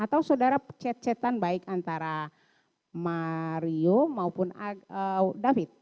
atau saudara cacetan baik antara mario maupun david